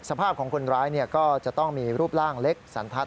สภาพของคนร้ายก็จะต้องมีรูปร่างเล็กสันทัศ